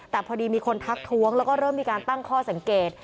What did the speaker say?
แต่พอดีมีคนทักท้วงแล้วก็เริ่มมีการตั้งข้อสังเกต